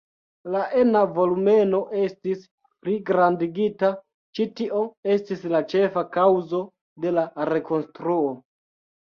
La ena volumeno estis pligrandigita, ĉi tio estis la ĉefa kaŭzo de la rekonstruo.